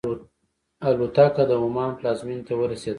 الوتکه د عمان پلازمینې ته ورسېده.